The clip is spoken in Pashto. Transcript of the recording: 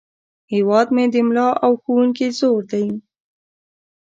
هیواد مې د ملا او ښوونکي زور دی